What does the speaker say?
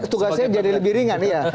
tugasnya menjadi lebih ringan ya